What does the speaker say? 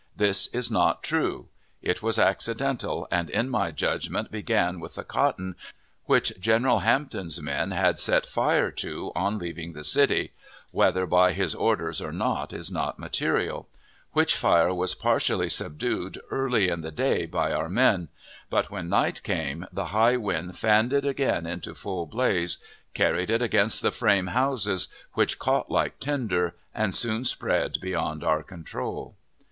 This is not true. It was accidental, and in my judgment began with the cotton which General Hampton's men had set fire to on leaving the city (whether by his orders or not is not material), which fire was partially subdued early in the day by our men; but, when night came, the high wind fanned it again into full blaze, carried it against the frame houses, which caught like tinder, and soon spread beyond our control.